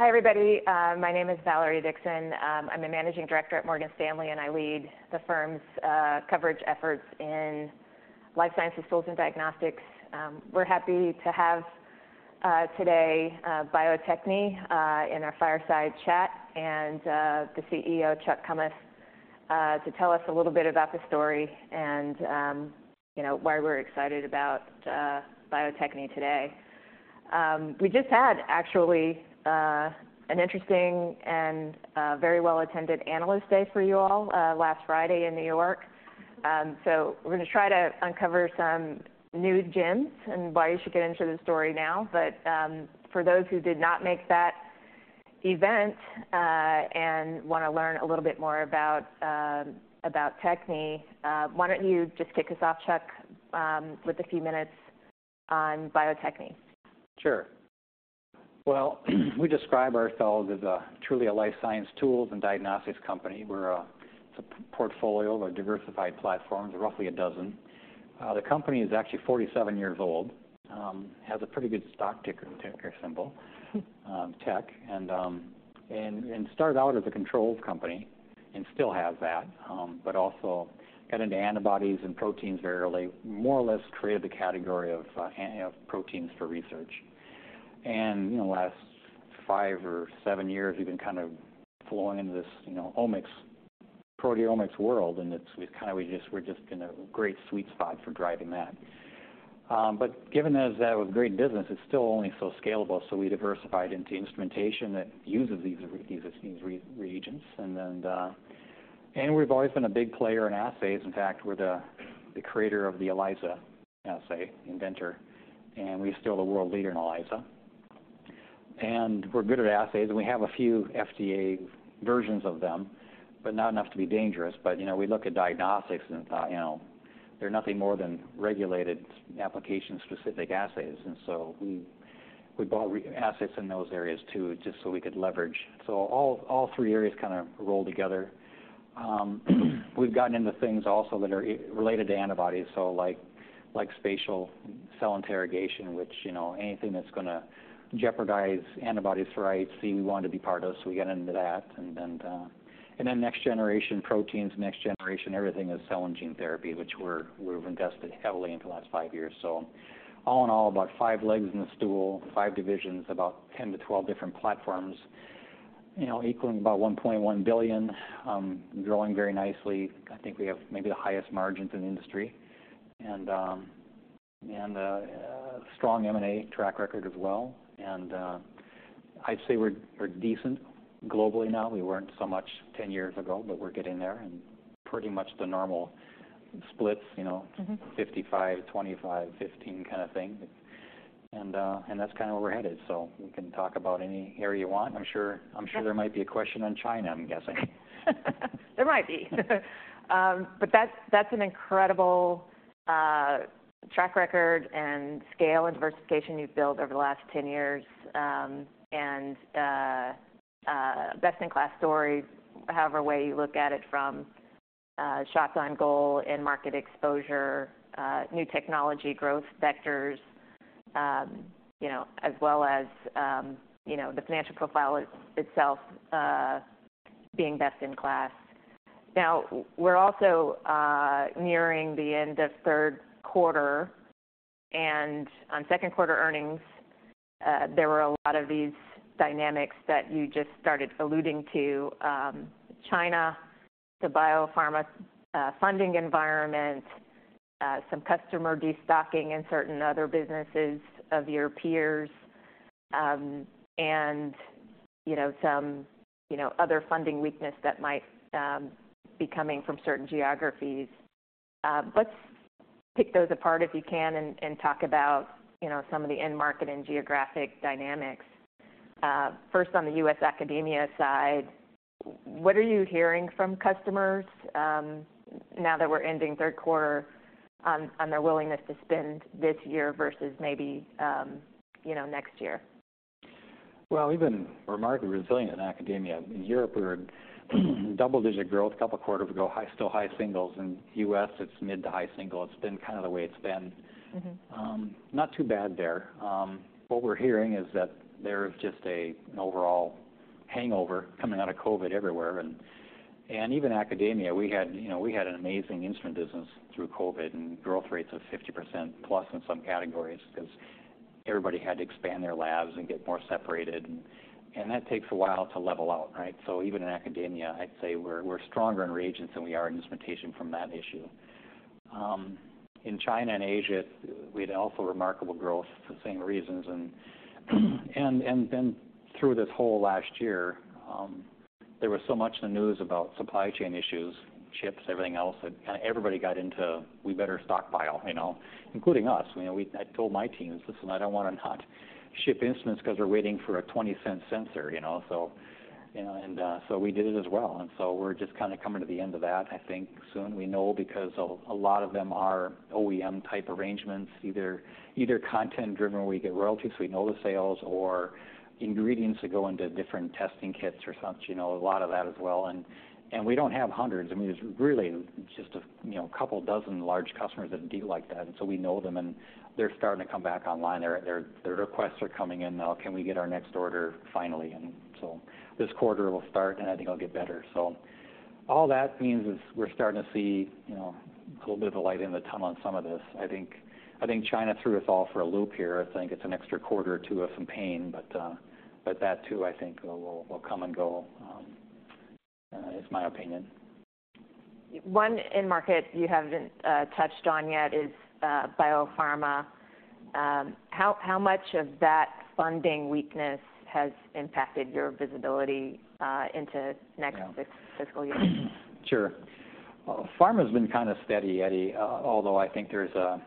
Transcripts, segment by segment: Hi, everybody. My name is Valerie Dixon. I'm a Managing Director at Morgan Stanley, and I lead the firm's coverage efforts in life sciences, tools, and diagnostics. We're happy to have, today, Bio-Techne in our fireside chat, and the CEO, Chuck Kummeth, to tell us a little bit about the story and, you know, why we're excited about Bio-Techne today. We just had actually an interesting and very well-attended analyst day for you all last Friday in New York. So we're gonna try to uncover some new gems and why you should get into the story now. For those who did not make that event and wanna learn a little bit more about Bio-Techne, why don't you just kick us off, Chuck, with a few minutes on Bio-Techne? Sure. Well, we describe ourselves as a truly a life science tools and diagnostics company. We're a—It's a portfolio of diversified platforms, roughly a dozen. The company is actually 47 years old, has a pretty good stock ticker symbol, TECH, and started out as a controlled company and still has that. But also got into antibodies and proteins very early, more or less created the category of proteins for research. And, you know, the last 5 or 7 years, we've been kind of flowing into this, you know, omics, proteomics world, and we've kind of—we just—we're just in a great sweet spot for driving that. But given as that was great business, it's still only so scalable, so we diversified into instrumentation that uses these reagents. And then... We've always been a big player in assays. In fact, we're the creator of the ELISA assay, inventor, and we're still the world leader in ELISA. We're good at assays, and we have a few FDA versions of them, but not enough to be dangerous. But, you know, we look at diagnostics and thought, you know, they're nothing more than regulated application-specific assays, and so we bought assays in those areas, too, just so we could leverage. So all three areas kind of roll together. We've gotten into things also that are related to antibodies, so like spatial cell interrogation, which, you know, anything that's gonna jeopardize antibody rights, we want to be part of, so we got into that. And then, and then next-generation proteins, next-generation everything is cell and gene therapy, which we've invested heavily into the last five years. So all in all, about five legs in the stool, five divisions, about 10-12 different platforms, you know, equaling about $1.1 billion, growing very nicely. I think we have maybe the highest margins in the industry. And, a strong M&A track record as well. And, I'd say we're decent globally now. We weren't so much 10 years ago, but we're getting there, and pretty much the normal splits, you know- Mm-hmm... 55, 25, 15 kind of thing. And, and that's kind of where we're headed. So we can talk about any area you want. I'm sure, I'm sure- Sure... there might be a question on China, I'm guessing. There might be. But that's, that's an incredible track record and scale and diversification you've built over the last 10 years, and best-in-class story, however way you look at it, from shots on goal and market exposure, new technology growth vectors, you know, as well as, you know, the financial profile itself, being best in class. Now, we're also nearing the end of third quarter, and on second quarter earnings, there were a lot of these dynamics that you just started alluding to: China, the biopharma funding environment, some customer destocking in certain other businesses of your peers, and, you know, some, you know, other funding weakness that might be coming from certain geographies. Let's pick those apart, if you can, and talk about, you know, some of the end market and geographic dynamics. First, on the U.S. academia side, what are you hearing from customers, now that we're ending third quarter, on their willingness to spend this year versus maybe, you know, next year? Well, we've been remarkably resilient in academia. In Europe, we're double-digit growth a couple quarters ago, high, still high singles. In U.S., it's mid- to high single. It's been kind of the way it's been. Mm-hmm. Not too bad there. What we're hearing is that there is just an overall hangover coming out of COVID everywhere. And even academia, you know, we had an amazing instrument business through COVID and growth rates of 50% + in some categories because everybody had to expand their labs and get more separated, and that takes a while to level out, right? So even in academia, I'd say we're stronger in reagents than we are in instrumentation from that issue. In China and Asia, we had also remarkable growth for the same reasons. And then through this whole last year, there was so much in the news about supply chain issues, chips, everything else, that kind of everybody got into, "We better stockpile," you know, including us. You know, I told my teams: "Listen, I don't wanna not ship instruments because we're waiting for a $0. 20 sensor," you know? So, you know, so we did it as well. And so we're just kind of coming to the end of that, I think, soon. We know because a lot of them are OEM-type arrangements, either content-driven, where we get royalties, so we know the sales, or ingredients that go into different testing kits or such, you know, a lot of that as well. And we don't have hundreds. I mean, it's really just a couple dozen large customers that deal like that, and so we know them, and they're starting to come back online. Their requests are coming in now: "Can we get our next order finally?" And so this quarter will start, and I think it'll get better. All that means is we're starting to see, you know, a little bit of a light in the tunnel on some of this. I think China threw us all for a loop here. I think it's an extra quarter or two of some pain, but that, too, I think will come and go, is my opinion. One end market you haven't touched on yet is biopharma. How much of that funding weakness has impacted your visibility into next- Yeah -fiscal year? Sure. Pharma's been kind of steady, Eddie, although I think there's a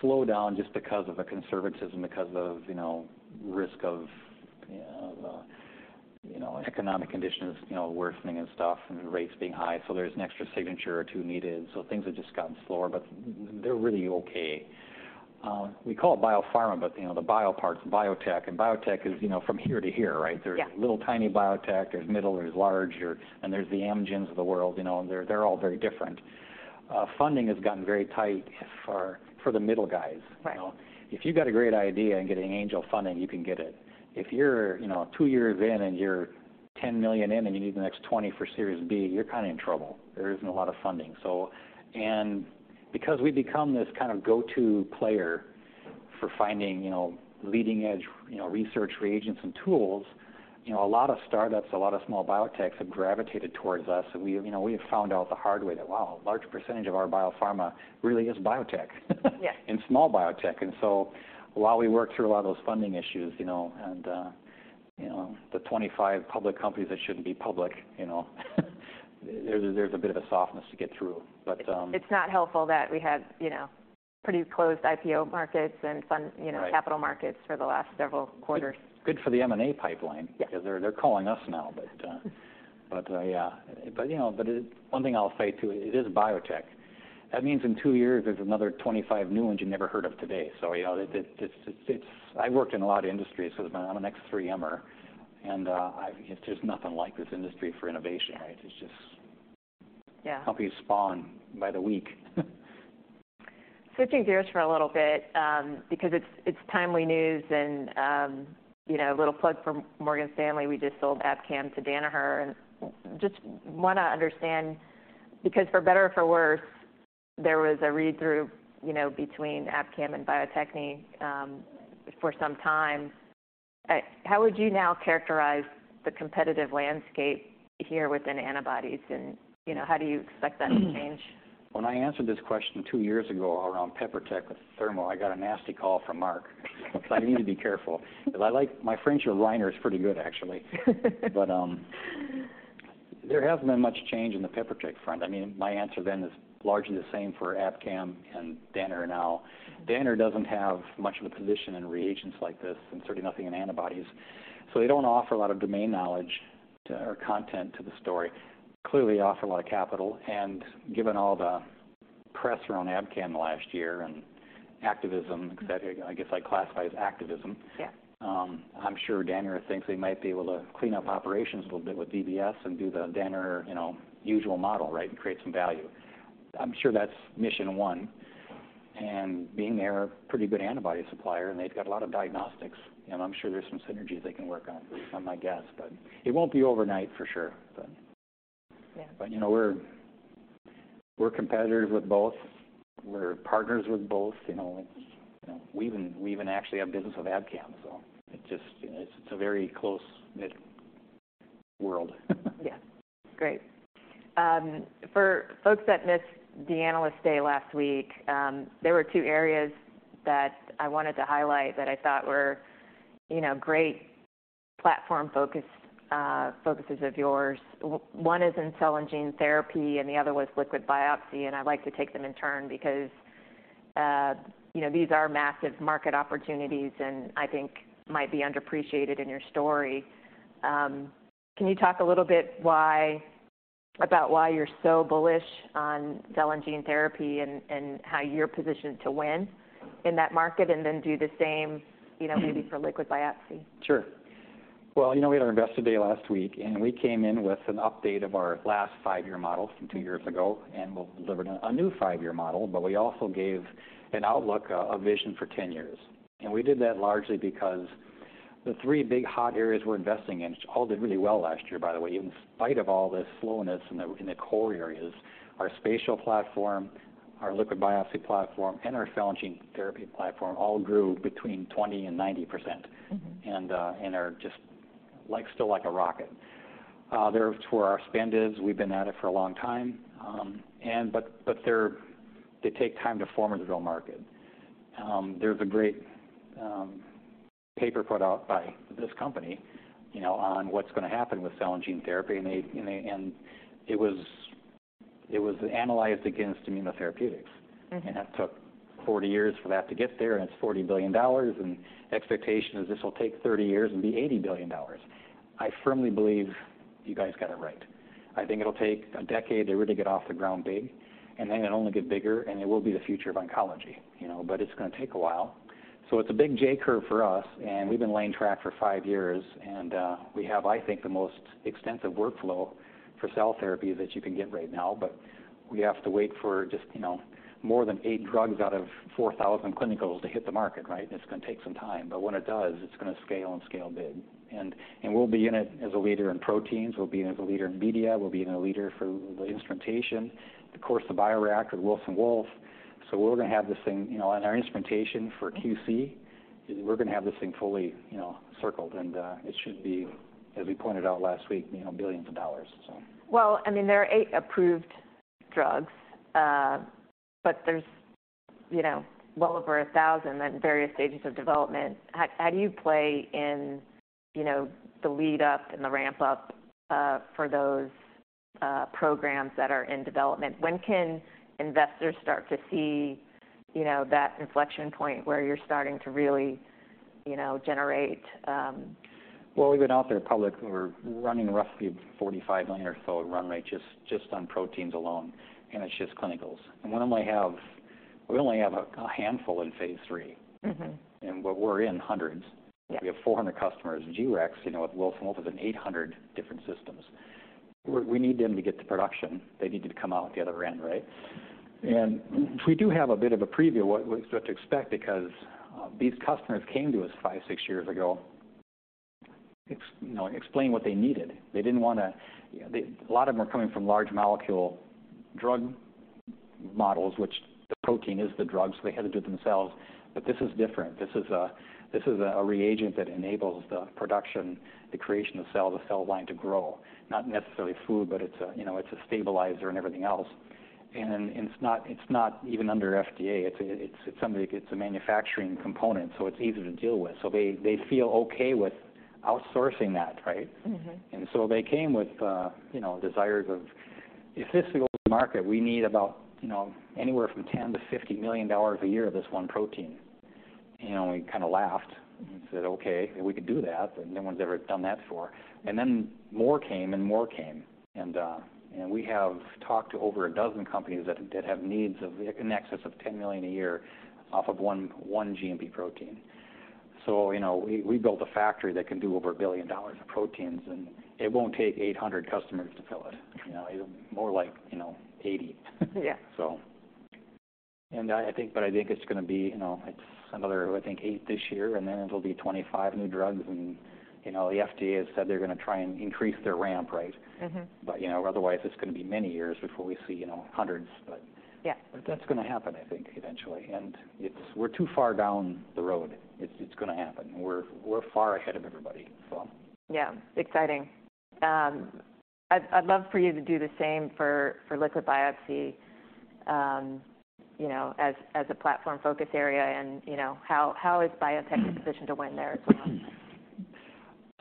slowdown just because of the conservatism, because of, you know, risk of, you know, economic conditions, you know, worsening and stuff, and rates being high, so there's an extra signature or two needed, so things have just gotten slower. But they're really okay. We call it biopharma, but, you know, the bio part's biotech, and biotech is, you know, from here to here, right? Yeah. There's little, tiny biotech, there's middle, there's large, and there's the Amgens of the world, you know, and they're, they're all very different. Funding has gotten very tight for the middle guys. Right. If you've got a great idea and getting angel funding, you can get it. If you're, you know, two years in and you're $10 million in and you need the next $20 million for Series B, you're kind of in trouble. There isn't a lot of funding, so... And because we've become this kind of go-to player for finding, you know, leading-edge, you know, research reagents and tools, you know, a lot of startups, a lot of small biotechs have gravitated towards us. And we've, you know, we have found out the hard way that, wow, a large percentage of our biopharma really is biotech. Yes. -and small biotech. And so, while we work through a lot of those funding issues, you know, and, you know, the 25 public companies that shouldn't be public, you know, there, there's a bit of a softness to get through. But, It's not helpful that we had, you know, pretty closed IPO markets and fund- Right You know, capital markets for the last several quarters. Good for the M&A pipeline- Yeah because they're calling us now, but yeah. But, you know, but it, one thing I'll say, too, it is biotech. That means in two years, there's another 25 new ones you never heard of today. So, you know, it's... I worked in a lot of industries because I'm an ex-3M-er, and I, there's nothing like this industry for innovation, right? It's just- Yeah Companies spawn by the week. Switching gears for a little bit, because it's timely news, and, you know, a little plug for Morgan Stanley, we just sold Abcam to Danaher, and just wanna understand, because for better or for worse, there was a read-through, you know, between Abcam and Bio-Techne, for some time. How would you now characterize the competitive landscape here within antibodies and, you know, how do you expect that to change? When I answered this question two years ago around PeproTech with Thermo, I got a nasty call from Marc. So I need to be careful because I like—my friendship with Rainer is pretty good, actually. But, there hasn't been much change in the PeproTech front. I mean, my answer then is largely the same for Abcam and Danaher now. Danaher doesn't have much of a position in reagents like this, and certainly nothing in antibodies, so they don't offer a lot of domain knowledge to or content to the story. Clearly, offer a lot of capital, and given all the press around Abcam last year and activism, et cetera, I guess I'd classify as activism- Yeah... I'm sure Danaher thinks they might be able to clean up operations a little bit with DBS and do the Danaher, you know, usual model, right? And create some value. I'm sure that's mission one, and being they're a pretty good antibody supplier, and they've got a lot of diagnostics, and I'm sure there's some synergies they can work on. Some, I guess, but it won't be overnight for sure, but... Yeah. But, you know, we're competitors with both. We're partners with both. You know, it's, you know... We even actually have business with Abcam, so it just, you know, it's a very close-knit world. Yeah. Great. For folks that missed the Analyst Day last week, there were two areas that I wanted to highlight that I thought were, you know, great platform focus, focuses of yours. One is in Cell and Gene Therapy, and the other was Liquid Biopsy. I'd like to take them in turn because, you know, these are massive market opportunities and I think might be underappreciated in your story. Can you talk a little bit about why you're so bullish on Cell and Gene Therapy and how you're positioned to win in that market, and then do the same, you know, maybe for Liquid Biopsy? Sure. Well, you know, we had our Investor Day last week, and we came in with an update of our last five-year model from two years ago, and we've delivered a new five-year model. But we also gave an outlook, a vision for 10 years. And we did that largely because the three big hot areas we're investing in, which all did really well last year, by the way, in spite of all this slowness in the, in the core areas, our spatial platform, our liquid biopsy platform, and our cell and gene therapy platform all grew between 20% and 90%- Mm-hmm... and are just, like, still like a rocket. That's where our spend is. We've been at it for a long time. But they take time to form in the real market. There's a great paper put out by this company, you know, on what's gonna happen with cell and gene therapy, and it was analyzed against immunotherapeutics. Mm-hmm. That took 40 years for that to get there, and it's $40 billion, and expectation is this will take 30 years and be $80 billion. I firmly believe you guys got it right. I think it'll take a decade to really get off the ground big, and then it only get bigger, and it will be the future of oncology, you know, but it's gonna take a while.... It's a big J curve for us, and we've been laying track for 5 years, and we have, I think, the most extensive workflow for cell therapy that you can get right now. But we have to wait for just, you know, more than 8 drugs out of 4,000 clinicals to hit the market, right? And it's gonna take some time, but when it does, it's gonna scale and scale big. We'll be in it as a leader in proteins, we'll be in as a leader in media, we'll be in a leader for the instrumentation, of course, the bioreactor, Wilson Wolf. So we're gonna have this thing, you know, and our instrumentation for QC, we're gonna have this thing fully, you know, circled, and it should be, as we pointed out last week, you know, billions of dollars, so. Well, I mean, there are 8 approved drugs, but there's, you know, well over 1,000 at various stages of development. How do you play in, you know, the lead-up and the ramp-up, for those programs that are in development? When can investors start to see, you know, that inflection point where you're starting to really, you know, generate, Well, we've been out there publicly. We're running roughly $45 million or so run rate just, just on proteins alone, and it's just clinicals. We only have, we only have a, a handful in Phase III. Mm-hmm. But we're in hundreds. Yeah. We have 400 customers at G-Rex, you know, at Wilson Wolf and 800 different systems. We need them to get to production. They need to come out the other end, right? And we do have a bit of a preview of what to expect because these customers came to us five, six years ago, you know, explained what they needed. They didn't wanna. A lot of them are coming from large molecule drug models, which the protein is the drug, so they had to do it themselves. But this is different. This is a reagent that enables the production, the creation of cells, the cell line to grow. Not necessarily food, but it's a, you know, it's a stabilizer and everything else. And it's not even under FDA. It's something, it's a manufacturing component, so it's easier to deal with. So they feel okay with outsourcing that, right? Mm-hmm. And so they came with, you know, desires of, "If this goes to market, we need about, you know, anywhere from $10-$50 million a year of this one protein." You know, and we kind of laughed and said, "Okay, we could do that, but no one's ever done that before." And then more came and more came, and we have talked to over a dozen companies that have needs of, in excess of $10 million a year off of one GMP protein. So, you know, we built a factory that can do over $1 billion of proteins, and it won't take 800 customers to fill it. You know, more like, you know, 80. Yeah. I think it's gonna be, you know, another 8 this year, and then it'll be 25 new drugs. You know, the FDA has said they're gonna try and increase their ramp, right? Mm-hmm. But, you know, otherwise, it's gonna be many years before we see, you know, hundreds, but- Yeah. But that's gonna happen, I think, eventually. And it's, we're too far down the road. It's, it's gonna happen. We're, we're far ahead of everybody, so. Yeah. Exciting. I'd love for you to do the same for liquid biopsy, you know, as a platform focus area and, you know, how is Bio-Techne in a position to win there as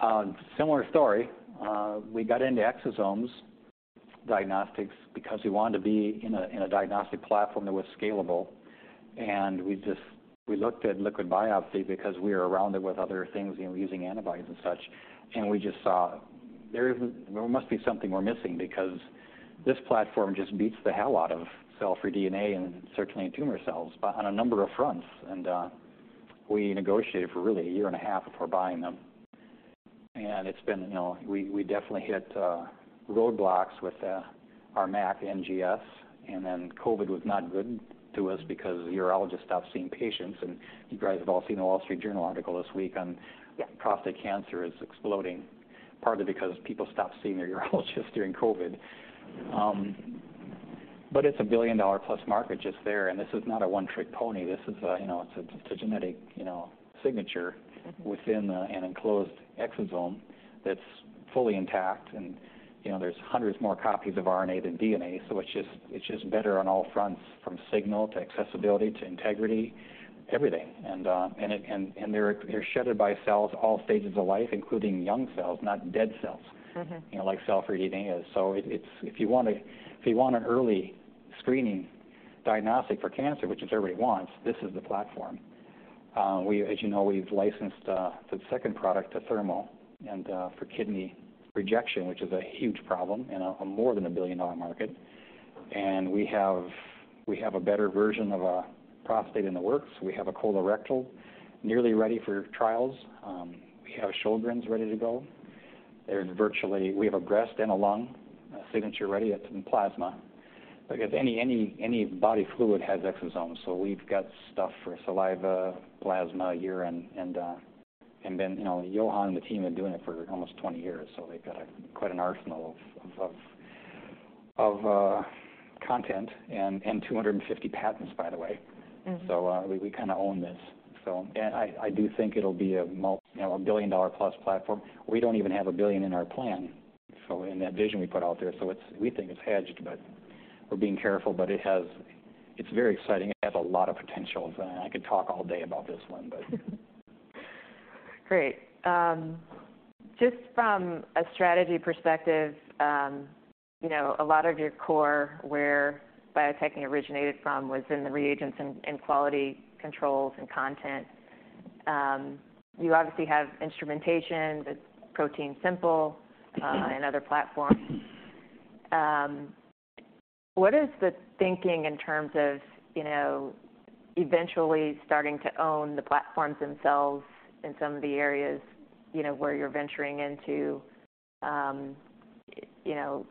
well? Similar story. We got into Exosome Diagnostics because we wanted to be in a diagnostic platform that was scalable, and we just we looked at liquid biopsy because we were around it with other things, you know, using antibodies and such. And we just saw there must be something we're missing because this platform just beats the hell out of cell-free DNA and circulating tumor cells, but on a number of fronts. And we negotiated for really a year and a half before buying them. And it's been, you know... We definitely hit roadblocks with our MAC NGS, and then COVID was not good to us because urologists stopped seeing patients, and you guys have all seen the Wall Street Journal article this week on- Yeah prostate cancer is exploding, partly because people stopped seeing their urologists during COVID. But it's a $1 billion+ market just there, and this is not a one-trick pony. This is a, you know, it's a genetic, you know, signature- Mm-hmm within an enclosed exosome that's fully intact. And, you know, there's hundreds more copies of RNA than DNA, so it's just, it's just better on all fronts, from signal to accessibility to integrity, everything. And they're shed by cells all stages of life, including young cells, not dead cells- Mm-hmm You know, like cell-free DNA is. So it's, if you want a, if you want an early screening diagnostic for cancer, which is everybody wants, this is the platform. We, as you know, we've licensed the second product to Thermo and for kidney rejection, which is a huge problem and a more than a billion-dollar market. And we have, we have a better version of a prostate in the works. We have a colorectal nearly ready for trials. We have Sjögren's ready to go. There's virtually we have a breast and a lung signature ready. It's in plasma. Because any, any, any body fluid has exosomes, so we've got stuff for saliva, plasma, urine, and... You know, Johan and the team have been doing it for almost 20 years, so they've got quite an arsenal of content and 250 patents, by the way. Mm-hmm. So, we kind of own this. So... And I do think it'll be a mult- you know, a billion-dollar plus platform. We don't even have $1 billion in our plan, so in that vision we put out there, so it's- we think it's hedged, but we're being careful. But it has- it's very exciting. It has a lot of potential, and I could talk all day about this one, but- Great. Just from a strategy perspective, you know, a lot of your core, where Bio-Techne originated from, was in the reagents and, and quality controls and content. You obviously have instrumentation with ProteinSimple, and other platforms. What is the thinking in terms of, you know, eventually starting to own the platforms themselves in some of the areas, you know, where you're venturing into? You know,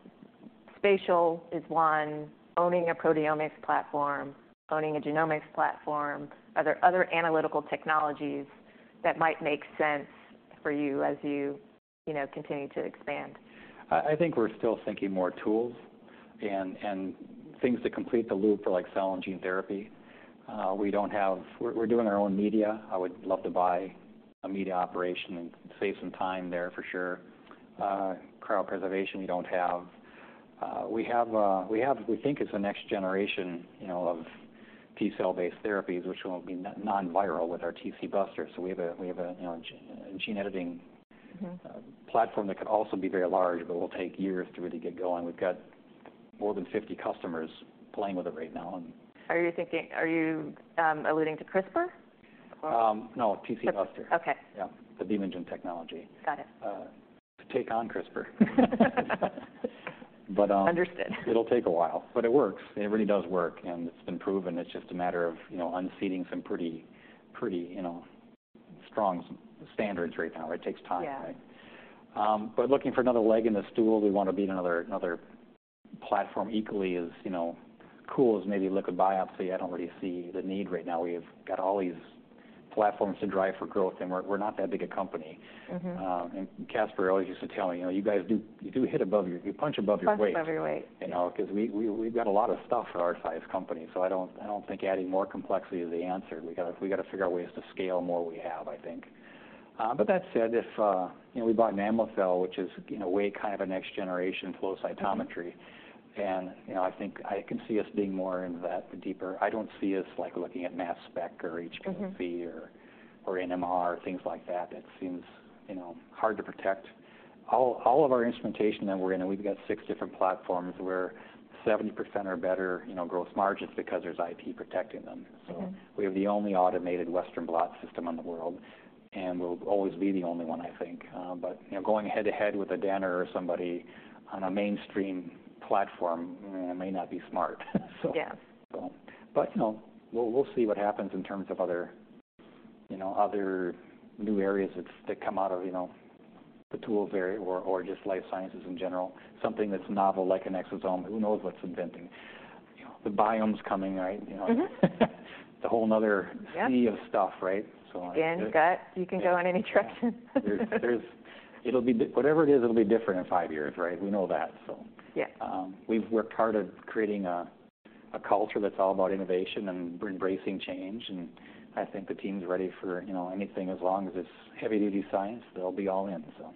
spatial is one, owning a proteomics platform, owning a genomics platform. Are there other analytical technologies that might make sense for you as you, you know, continue to expand? I think we're still thinking more tools and things to complete the loop for, like, cell and gene therapy. We don't have—we're doing our own media. I would love to buy a media operation and save some time there for sure. Cryopreservation, we don't have. We have—we have—we think it's the next generation, you know, of T cell-based therapies, which will be non-viral with our TcBuster. So we have a, we have a, you know, a gene, a gene-editing- Mm-hmm platform that could also be very large, but will take years to really get going. We've got more than 50 customers playing with it right now, and- Are you thinking-- are you, alluding to CRISPR? Or- No, TcBuster. Okay. The B-MoGen technology. Got it. to take on CRISPR. But, Understood. It'll take a while, but it works. It really does work, and it's been proven. It's just a matter of, you know, unseating some pretty, pretty, you know, strong standards right now. It takes time. Yeah. But looking for another leg in the stool, we wanna be in another platform equally as, you know, cool as maybe liquid biopsy. I don't really see the need right now. We've got all these platforms to drive for growth, and we're not that big a company. Mm-hmm. And Casper always used to tell me, "You know, you guys do—you do hit above your—you punch above your weight. Punch above your weight. You know, 'cause we, we've got a lot of stuff for our size company, so I don't think adding more complexity is the answer. We gotta figure out ways to scale more what we have, I think. But that said, if you know, we bought Namocell, which is, in a way, kind of a next-generation flow cytometry, and, you know, I think I can see us being more into that, the deeper. I don't see us, like, looking at mass spec or HPLC Mm-hmm or NMR, things like that. It seems, you know, hard to protect. All, all of our instrumentation that we're in, we've got six different platforms where 70% are better, you know, growth margins because there's IP protecting them. Mm-hmm. We have the only automated Western blot system in the world, and we'll always be the only one, I think. But, you know, going head-to-head with a Danaher or somebody on a mainstream platform, may not be smart. So- Yeah. But, you know, we'll see what happens in terms of other, you know, other new areas that come out of, you know, the tools area or just life sciences in general. Something that's novel, like an exosome. Who knows what's inventing? You know, the biome's coming, right? You know? Mm-hmm. It's a whole 'nother- Yeah sea of stuff, right? So like- Again, gut. Yeah. You can go in any direction. It'll be whatever it is, it'll be different in five years, right? We know that, so- Yeah. We've worked hard at creating a culture that's all about innovation and embracing change, and I think the team's ready for, you know, anything. As long as it's heavy duty science, they'll be all in, so.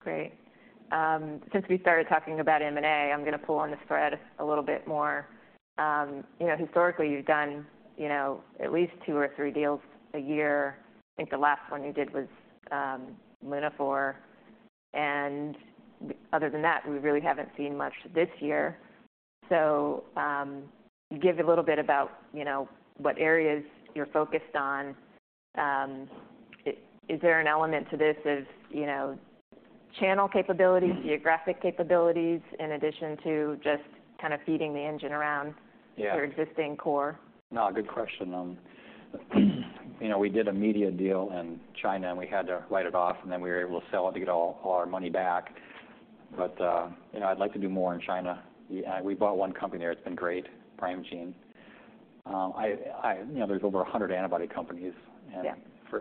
Great. Since we started talking about M&A, I'm gonna pull on this thread a little bit more. You know, historically, you've done, you know, at least two or three deals a year. I think the last one you did was Lunaphore, and other than that, we really haven't seen much this year. So, give a little bit about, you know, what areas you're focused on. Is there an element to this as, you know, channel capabilities- Mm ...geographic capabilities, in addition to just kind of feeding the engine around- Yeah -your existing core? No, good question. You know, we did a media deal in China, and we had to write it off, and then we were able to sell it to get all our money back. But, you know, I'd like to do more in China. We bought one company there, it's been great, PrimeGene. You know, there's over a hundred antibody companies- Yeah...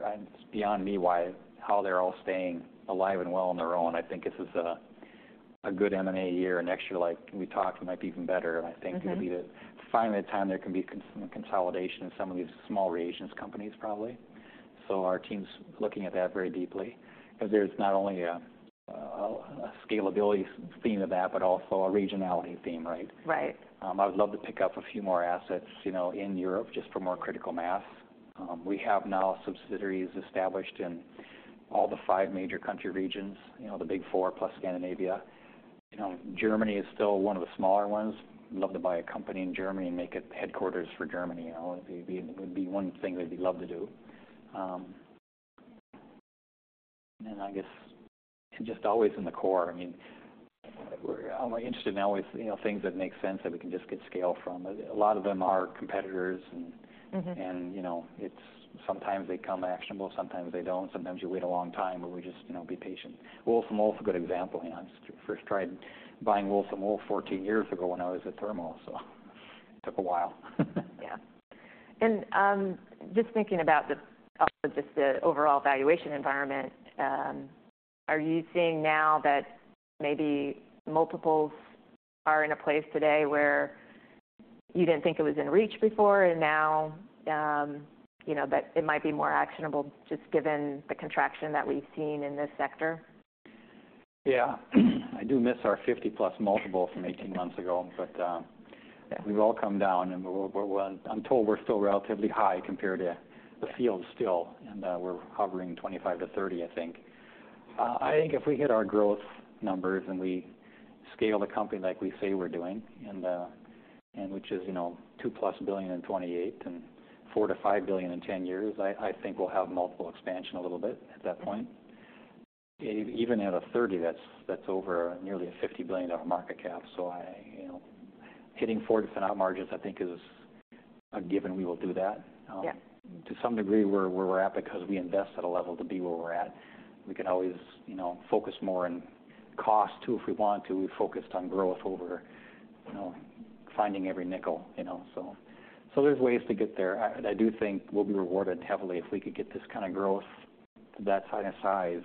and it's beyond me why, how they're all staying alive and well on their own. I think this is a good M&A year. Next year, like we talked, it might be even better. Mm-hmm. I think it'll be the, finally a time there can be some consolidation in some of these small reagents companies, probably. So our team's looking at that very deeply. Because there's not only a scalability theme of that, but also a regionality theme, right? Right. I would love to pick up a few more assets, you know, in Europe, just for more critical mass. We have now subsidiaries established in all the 5 major country regions, you know, the Big Four, plus Scandinavia. You know, Germany is still one of the smaller ones. Love to buy a company in Germany and make it the headquarters for Germany. You know, it'd be, it would be one thing that we'd love to do. And I guess just always in the core, I mean, we're. I'm interested in always, you know, things that make sense, that we can just get scale from. A lot of them are competitors and- Mm-hmm... and, you know, it's sometimes they come actionable, sometimes they don't. Sometimes you wait a long time, but we just, you know, be patient. Wilson Wolf is a good example. You know, I first tried buying Wilson Wolf 14 years ago when I was at Thermo, so took a while. Yeah, just thinking about the overall valuation environment, are you seeing now that maybe multiples are in a place today where you didn't think it was in reach before, and now, you know, but it might be more actionable, just given the contraction that we've seen in this sector? Yeah. I do miss our 50+ multiple from 18 months ago, but, yeah, we've all come down and we're well—I'm told we're still relatively high compared to the field, still. And, we're hovering 25-30, I think. I think if we hit our growth numbers and we scale the company like we say we're doing, and, and which is, you know, $2+ billion in 2028, and $4-$5 billion in 10 years, I, I think we'll have multiple expansion a little bit at that point.... Even, even at a 30, that's, that's over nearly a $50 billion market cap. So I, you know, hitting 40% op margins, I think, is a given we will do that. Yeah. To some degree, we're at because we invest at a level to be where we're at. We could always, you know, focus more on cost, too, if we want to. We focused on growth over, you know, finding every nickel, you know, so there's ways to get there. I do think we'll be rewarded heavily if we could get this kind of growth to that kind of size,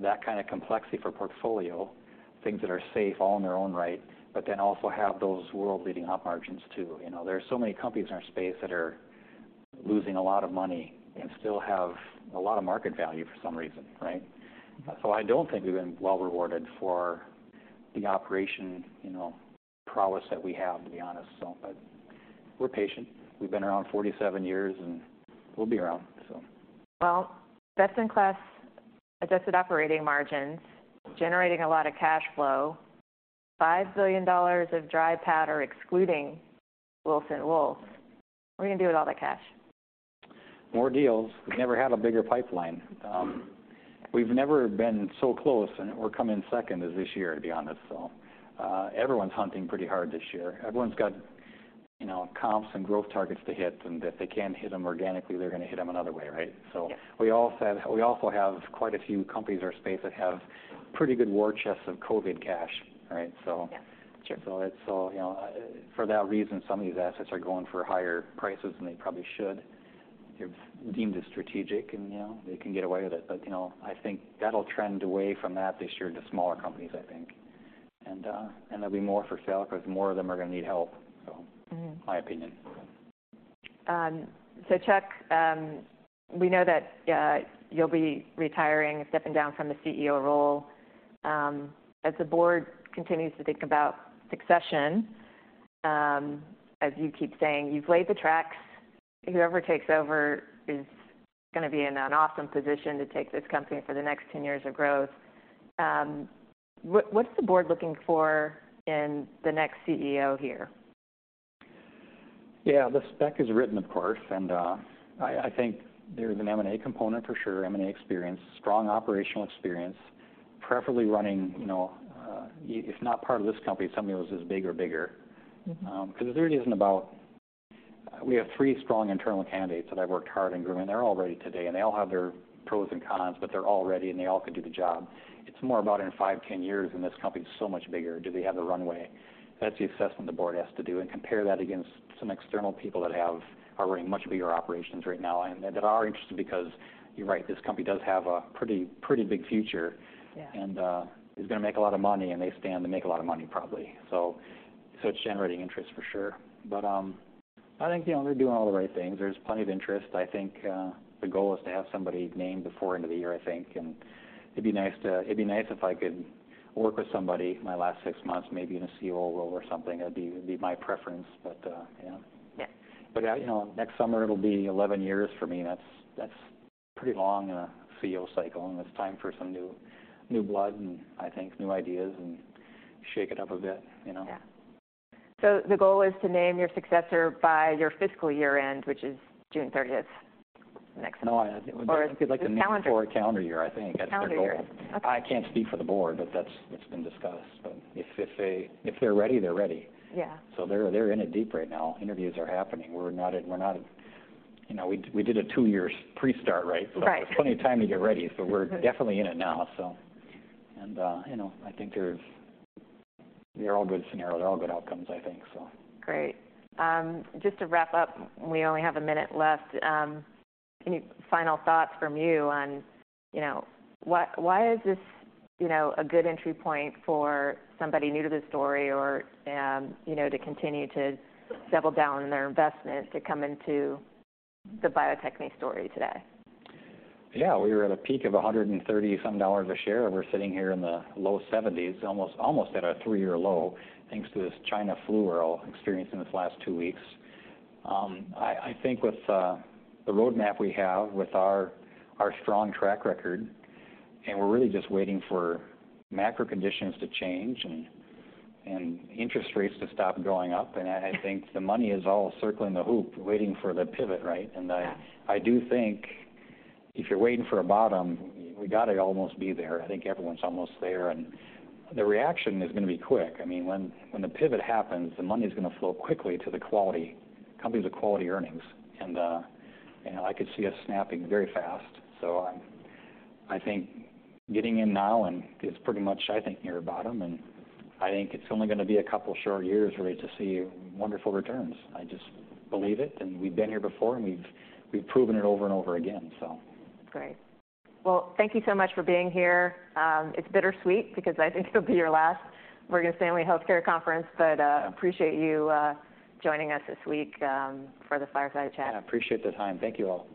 that kind of complexity for portfolio, things that are safe all in their own right, but then also have those world-leading op margins, too. You know, there are so many companies in our space that are losing a lot of money and still have a lot of market value for some reason, right? Yeah. So, I don't think we've been well rewarded for the operational prowess that we have, you know, to be honest, so. But we're patient. We've been around 47 years, and we'll be around, so. Well, best-in-class adjusted operating margins, generating a lot of cash flow, $5 billion of dry powder, excluding Wilson Wolf. What are you gonna do with all that cash? More deals. We've never had a bigger pipeline. We've never been so close, and we're coming second as this year, to be honest. So, everyone's hunting pretty hard this year. Everyone's got, you know, comps and growth targets to hit, and if they can't hit them organically, they're gonna hit them another way, right? Yeah. So we also have quite a few companies in our space that have pretty good war chests of COVID cash, right? So- Yeah, sure. So it's so, you know, for that reason, some of these assets are going for higher prices than they probably should. They're deemed as strategic, and, you know, they can get away with it. But, you know, I think that'll trend away from that this year to smaller companies, I think. And there'll be more for sale because more of them are gonna need help. So- Mm-hmm. My opinion. So, Chuck, we know that you'll be retiring and stepping down from the CEO role. As the board continues to think about succession, as you keep saying, you've laid the tracks. Whoever takes over is gonna be in an awesome position to take this company for the next 10 years of growth. What's the board looking for in the next CEO here? Yeah, the spec is written, of course, and I think there's an M&A component for sure, M&A experience, strong operational experience, preferably running, you know, if not part of this company, something that was as big or bigger. Mm-hmm. Because it really isn't about—we have three strong internal candidates that I've worked hard in grooming, and they're all ready today, and they all have their pros and cons, but they're all ready, and they all could do the job. It's more about in 5, 10 years, and this company's so much bigger, do they have the runway? That's the assessment the board has to do and compare that against some external people that have—are running much bigger operations right now and that are interested because, you're right, this company does have a pretty, pretty big future. Yeah. Is gonna make a lot of money, and they stand to make a lot of money, probably. So it's generating interest for sure. But I think, you know, they're doing all the right things. There's plenty of interest. I think the goal is to have somebody named before end of the year, I think, and it'd be nice to—It'd be nice if I could work with somebody my last six months, maybe in a COO role or something. That'd be my preference, but yeah. Yeah. But, you know, next summer it'll be 11 years for me. That's pretty long in a CEO cycle, and it's time for some new blood and, I think, new ideas and shake it up a bit, you know? Yeah. So the goal is to name your successor by your fiscal year-end, which is June thirtieth, next- No, I think we'd like- Or calendar? To do it for calendar year, I think. Calendar year. That's the goal. Okay. I can't speak for the board, but that's what's been discussed. But if they're ready, they're ready. Yeah. They're in it deep right now. Interviews are happening. We're not in... We're not. You know, we did a two-year pre-start, right? Right. So there's plenty of time to get ready, but we're definitely in it now. So, you know, I think they're, they're all good scenarios. They're all good outcomes, I think, so. Great. Just to wrap up, we only have a minute left. Any final thoughts from you on, you know, why, why is this, you know, a good entry point for somebody new to the story or, you know, to continue to double down on their investment to come into the Bio-Techne story today? Yeah. We were at a peak of $130-some a share, and we're sitting here in the low 70s, almost at a three-year low, thanks to this China flu we're all experiencing this last two weeks. I think with the roadmap we have with our strong track record, and we're really just waiting for macro conditions to change and interest rates to stop going up. And I think the money is all circling the hoop, waiting for the pivot, right? Yeah. And I, I do think if you're waiting for a bottom, we gotta almost be there. I think everyone's almost there, and the reaction is gonna be quick. I mean, when, when the pivot happens, the money's gonna flow quickly to the quality companies with quality earnings. And, you know, I could see us snapping very fast. So I, I think getting in now, and it's pretty much, I think, near a bottom, and I think it's only gonna be a couple short years, really, to see wonderful returns. I just believe it, and we've been here before, and we've, we've proven it over and over again, so. Great. Well, thank you so much for being here. It's bittersweet because I think it'll be your last Morgan Stanley Healthcare Conference, but appreciate you joining us this week for the fireside chat. I appreciate the time. Thank you, all.